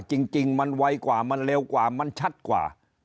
จริงมันไวกว่ามันเร็วกว่ามันชัดกว่า